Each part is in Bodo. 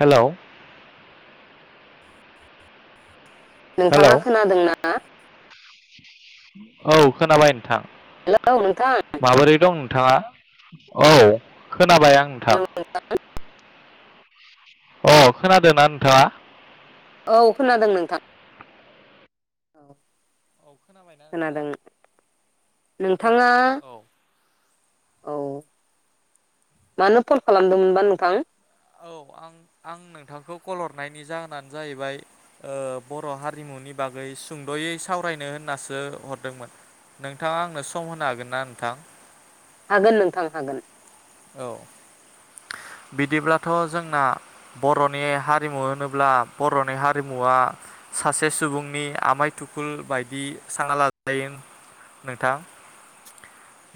हेलौ हेलौ नोंथाङा खोनादोंना? [inaudible] औ खोनाबाय नोंथां। हेलौ नोंथां थाङा औ खोनाबाय आं औ नोंथां। अ खोनादोंना नोंथाङा? औ खोनादों नोंथां औ औ खोनाबायना नोंथाङा? खोनादों नोंथाङा औ मानो फल खालामदोंमोनबा नोंथां? औ आं आं नोंथांखौ कल हरनायनि जाहोनानो जाहैबाय ओ बर हारिमुनि बागै सुंदयै सावरायनो होननासो हरदोंमोन नोंथाङा आंनो सम होनो हागोन ना नोंथां? हागोन नोंथां हागोन। औ बिदिब्लाथ' जोंना ब'रनि हारिमु होनोब्ला बर'नि हारिमुवा सासे सुबुंनि आमाय थुकुल बायदि साङा लाजायो नोंथां।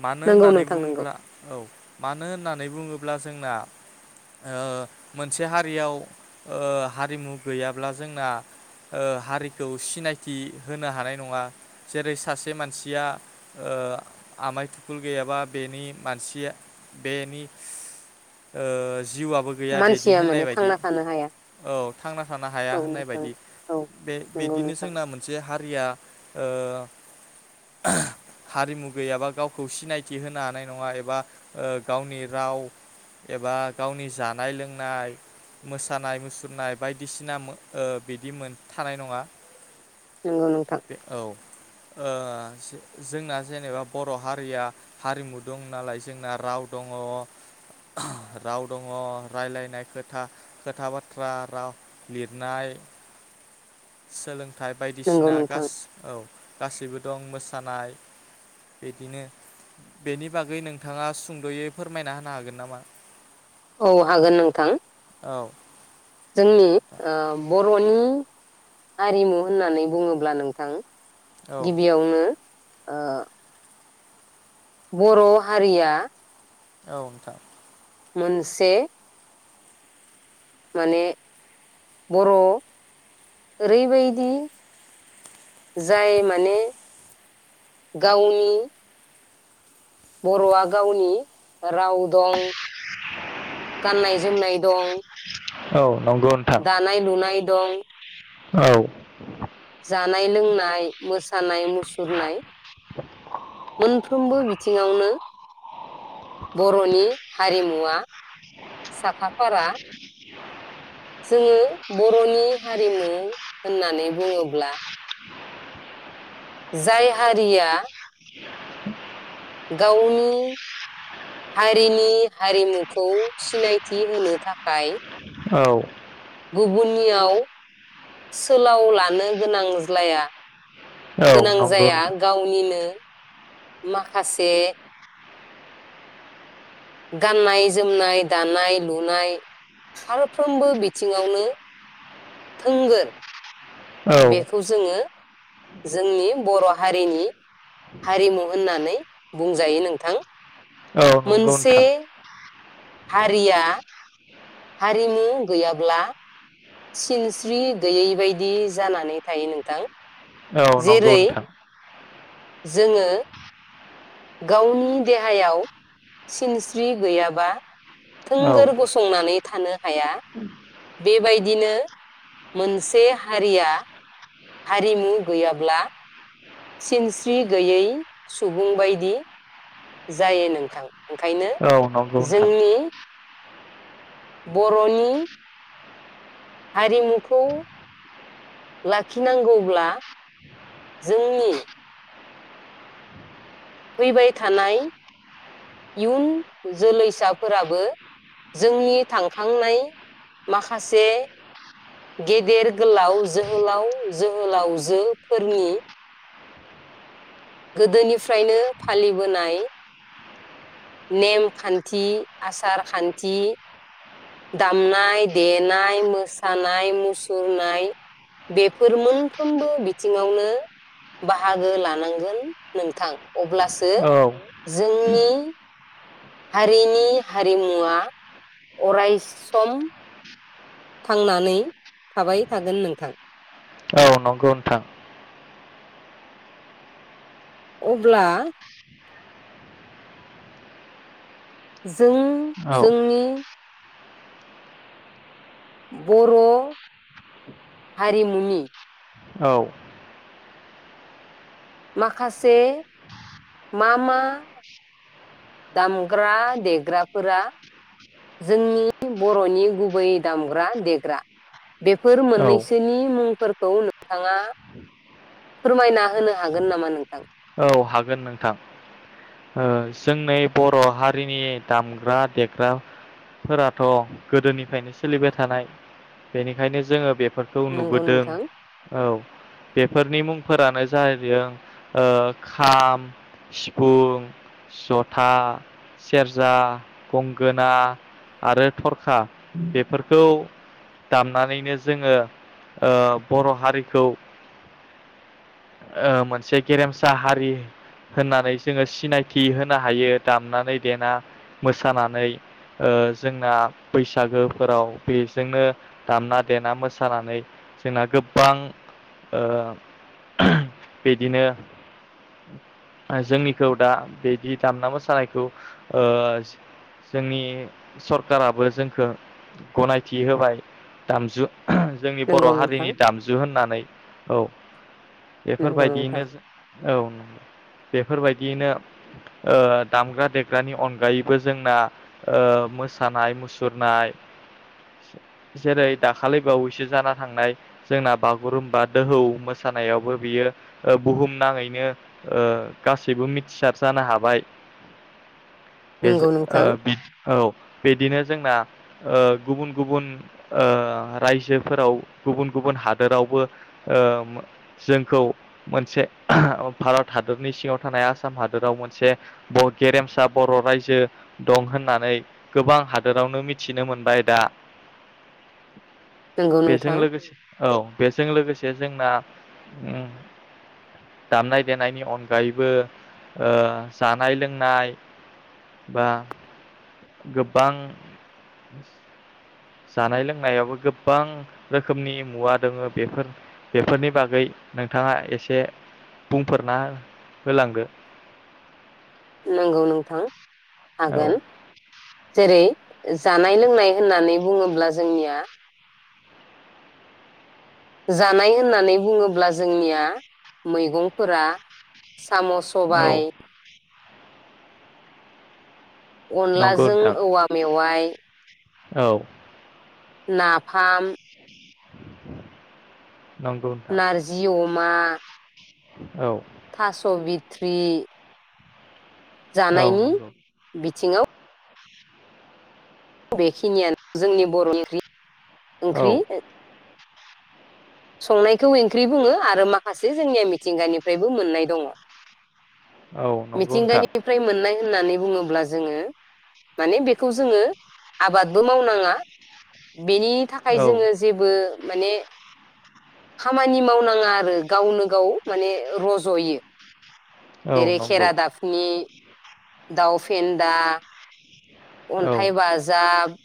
मानो नंगौ होननानै नोंथां नंगौ बुङोब्ला औ मानो होननानै बुङो ब्ला जोंना ओ मोनसे हारियाव ओ हारिमु गैयाब्ला जोंना ओ हारिखौ सिनायथि होनो हानाय नङा जेरै सासे मानसिया ओ आमाय थुखुल गैयाबा बेनि मानसिया बेनि ओ जिउआबो गैया बेदि मानसिया होननाय माने बायदि थांना थानो हाया औ थांना थानो औ हाया होननाय नोंथां बायदि औ बे नंगौ बिदिनो नोंथां जोंना मोनसे हा रिया ओ हारिमु गैयाबा गावखौ सिनायथि होनो हानाय नङा एबा ओ गावनि राव एबा गावनि जानाय लोंनाय मोसानाय मुसुरनाय बायदिसिना मो ओ बिदि मोन थानाय नङा। नोंगौ नोंथां। बे औ ओ जोंना जेनेबा बर' हारिया हारिमु दं नालाय जोंना राव दङ। राव दङ रायलायनाय खोथा खोथा बाथ्रा राव लिरनाय। सोलों थाइ नंगौ बायदिसिना नोंथां गास औ। गासैबो दं मोसानाय बिदिनो बेनि बागै नोंथाङा सुंद यै फोरमायना होनो हागोन नामा? औ हागोन नोंथां। औ। जोंनि ओ बर रनि हारिमु होननानै बुङोब्ला नोंथां औ गिबियावनो आ बर हारिया‌ औ नोंथां। मोनसे माने बर ओरैबायदि जाय माने गावनि बर आ गावनि राव दं गाननाय जोमनाय दं औ नंगौ नोंथां। दानाय लुनाय दं औ। जानाय लोंनाय मोसानाय मुसुरनाय। मोनफ्रोमबो बि थिङावनो बरनि हारिमुवा साखाफारा। जोङो बरनि हारिमु होननानै बुङोब्ला जाय हारिया गावनि हारिनि हारिमुखौ सिनायथि होनो थाखाय औ। गुबुननियाव सोलाव लानो गोनां ज्लाया गोनां नंगौ जाया नोंथां गावनिनो माखासे गाननाय जोमनाय दानाय लुनाय फारफ्रोमबो बिथिङावनो थोंगोर। औ बेखौ जोङो जोंनि बर हारिनि हारिमु होननानै बुंजायो नोंथां। औ नंगौ मोनसे नोंथां हारिया हारिमु गैयाब्ला सिनस्रि गैयै बायदि जानानै थायो नोंथां। औ नंगौ जेरै नोंथां। जोङो गावनि देहायाव सिनस्रि गैयाबा औ थोंगोर गसंनानै थानो हाया बेबायदिनो मोनसे हारिया हारिमु गैयाब्ला सिनस्रि गैयै सुबुं बायदि जायो नोंथां। ओंखायनो औ नंगौ नोंथां जोंनि बरनि हारिमुखौ लाखिनांगौब्ला जोंनि फैबाय थानाय इयुन जोलैसा फोराबो जोंनि थांखांनाय माखासे गेदेर गोलाव जोहोलाव जोहोलावजो फोरनि गोदोनिफ्रायनो फालिबोनाय नेम खान्थि आसार खान्थि दामनाय देनाय मोसानाय मुसुरनाय बेफोर मोनफ्रोमबो बिथिंङावनो बाहागो लानांगोन नोंथां। अब्लासो औ जोंनि हारिनि हारिमुवा अराय सम थांनानै थाबाय थागोन नोंथां। औ नंगौ नोंथां। अब्ला जों औ जोंनि बर' हारिमुनि औ माखासे मा मा दामग्रा देग्राफोरा जोंनि बर'नि गुबै दामग्रा देग्रा बेफोर औ मोननैसोनि मुंफोरखौ नोंथांङा फोरमायना होनो हागोन नामा नोंथां? औ हागोन नोंथां। ओ जोंनि बर'हारिनि दामग्रा देग्राफोराथ गोदोनिफ्रायनो सोलिबाय थानाय बेनिखायनो जोंङो बे फोरखौ नंगौ नुबोदों नोंथां औ बेफोरनि मुंफोरानो जाहैदों ओ खाम, सिफुं, जथा, सेरजा, गंगोना आरो थरखा बेफोरखौ दामनानैनो जोंङो ओ बर' हारिखौ ओ मोनसे गेरेम सा हारि होननानै जोंङो सिनायथि होनो हायो। दामनानै देना मोसानानै ओ जोंना बैसागोफोराव बेजोंनो दामना देना मोसानानै जोंना गोबबां ओ बिदिनो जोंनिखौ दा बिदि दामना मोसानायखौ ओ जोंनि सरकाराबो जोंखो गनायथि होबाय दामजु जोंनि बर' नंगौ नोंथां हारिनि दामजु होननानै औ नंगौ बेफोरबायदियैनो नोंथां औ बेफोर बायदियै नो ओ दामग्रा देग्रानि अनगायैबो जोंना ओ मोसानाय मुसुरनाय जे-जेरै दाखालि बावैसो जाना थांनाय जोंना बागुरुम्बा दोहौ मो खा नायावबो बियो ओ बुहुम नांङैनो ओ गासैबो मिथिसार जानो हाबाय। बे नंगौ नोंथां [unintelligible] औ बिदिनो जोंना ओ गुबुन गुबुन ओ रायजोफोराव गुबुन गुबुन हादोरावबो ओ जोंखौ मोनसे भारत हादरनि सिंङाव थानाय आसाम हादोराव मोनसे ब गेरेम सा बर' रायजो दं होननानै गोबां हादोरावनो मिथिनो मोनबायदा नंगौ बेजों नोंथां लोगोसे औ बेजों लोगोसे जोंना उम दामनाय देनायनि अनगायैबो ओ जानाय लोंनाय बा गोबां जानाय लोंनायावबो गोबां रोखोमनि मुवा दोंङो बेफोर बेफोरनि बागै नोंथाङा एसे बुंफोरना होलांदो नोंगौ नोंथां। हागोन औ जेरै- जानाय लोंनाय होननानै बुंङोब्ला जोंनिया जानाय होननानै बुंङोब्ला जोंनिया मैगं फोरा साम, औ सबाय नंगौ अनलाजों नोंथां औवा मेवाइ औ नाफाम [inaudible] नोंथां नारजि अ मा औ थास बित्रि औ जानायनि नंगौ बिथिङाव बेखिनियानो जोंनि बर'नि ओंख्रि औ ओंख्रि संनायखौ ओंख्रि बुङो आरो माखासे जोंनिया मिथिंगानिफ्रायबो मोननाय दङ। औ नंगौ नोंथां मिथिंगानिफ्राय मोननाय होननानै बुङोब्ला जोङो माने बेखौ जोङो आबादबो मावनाङा बेनि थाखाय औ जोङो जेबो माने खामानि मावनाङा आरो गावनो गाव माने रज'यो। औ जेरै नंगौ खेरादाफिनि दाउफेन्दा औ अन्थाइ बाजाब,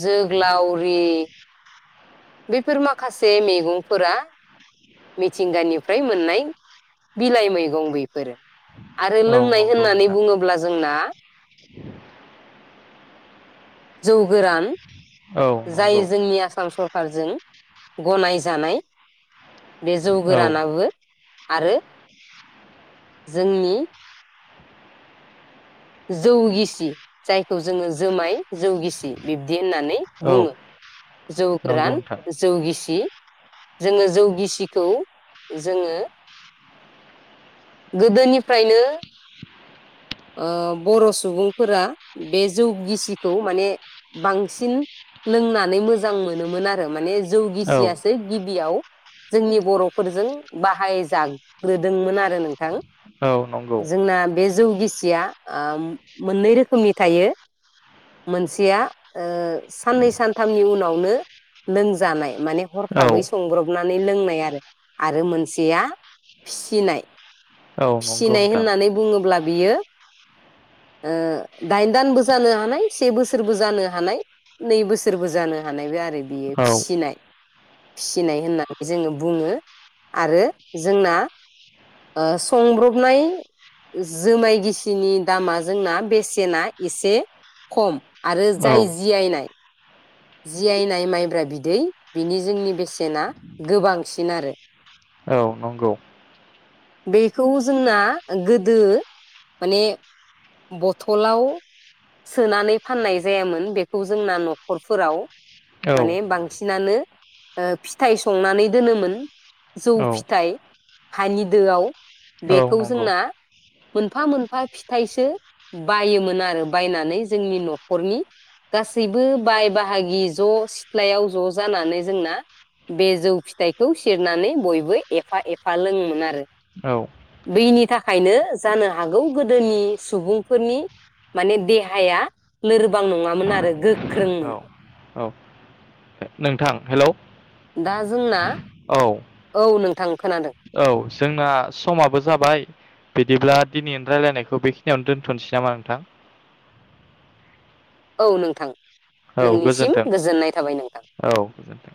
जोगलावरि, बेफोर माखासे मेगंफोरा मिथिंगानिफ्राय मोननाय बिलाइ मैगं बेफोरो। आरो औ लोंनाय नंगौ होननानै नोंथां बुङोब्ला जोंना जौ गोरान, औ जाय नंगौ जोंनि आसाम सरखारजों गनाय जा नाय बे जौ औ गोरानाबो आरो जोंनि जौ गिसि जायखौ जोङो जोमाय जौ गिसि बिब्दि होननानै औ बुङो। जौ नंगौ गोरान नोंथां जौ गिसि जोङो जौ गिसिखौ जोङो गोदोनिफ्रायनो ओ बर' सुबुंफोरा बे जौ गिसिखौ माने बांसिन लोंनानै मोजां मोनोमोन आरो माने जौ औ गिसियासो गिबियाव जोंनि बर'फोरजों बाहायजाग्रोदोंमोन आरो नों थां औ नंगौ जोंना बे जौ गिसि या ओ मोननै रोखोमनि थायो मोनसेया ओ साननै सानथामनि उनाव नो लोंजानाय माने औ हरखाबै सब्रबनानै लोंनाय आरो मोनसेया फिसिनाय औ नंगौ फिसिनाय नोंथां होननानै बुङोब्ला। बियो ओ दाइन दानबो जानो हानाय से बोसोरबो जानो हानाय नै बोसोरबो जानो हानाय बे आरो बेयो औ फिसिनाय फिसिनाय होननानै जोङो बुङो आरो जोंना ओ संब्रबनाय जोमाय गिसिनि दामा जोंना बेसेना एसे खम आरो औ जाय जियायनाय जियायनाय माइब्रा बिदै बिनि जोंनि बेसेना गोबांसिन आरो औ नंगौ। बेखौ जोंना गोदो माने बथलाव सोनानै फाननाय जायामोन बेखौ जोंना न'खरफोराव औ माने बां। सिनानो फिथाइ संनानै दोनोमोन जौ औ फिथाइ हानि दोआव औ बेखौ नंगौ जोंना मोनफा मोनफा फिथाइसो। बायोमोन आरो बायनानै जोंनि न'खरनि गासैबो बाय बाहागि ज सिथ्लायाव ज जानानै जोंना बे जौ फिथाइखौ सेरनानै बयबो एफा एफा लोङोमोन आरो औ बेनि थाखायनो जानो हागौ गोदोनि सुबुंफोरनि माने देहाया लोरबां नङामोन आरो गोख्रों। औ औ नोंथां हेलौ। दा जोंना। औ। औ नोंथां। खोनादों औ जोंना समाबो जाबाय बिदिब्ला। दिनै रायजलायनायखौ बेखिनियावनो दोनथनोसै नामा नोंथां। औ नोंथां। औ नोंनिसिम गोजोनथों गोजोननाय थाबाय नोंथां औ गोजोनथों।